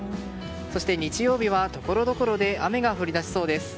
そして日曜日はところどころで雨が降り出しそうです。